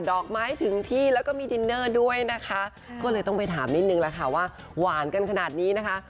ดอกไม้ถึงที่แล้วก็มีดินเนอร์ด้วยนะคะก็เลยต้องไปถามนิดนึงแล้วค่ะว่าหวานกันขนาดนี้นะคะ